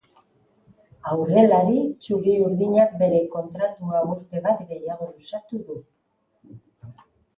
Aurrelari txuri-urdinak bere kontratua urte bat gehiago luzatu du.